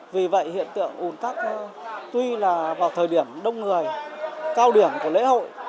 vì vậy hiện tượng ủn tắc tuy là vào thời điểm đông người cao điểm của lễ hội